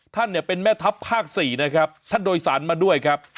ท่านเนี่ยเป็นแม่ทัพภาค๔นะครับท่านโดยสารมาด้วยครับ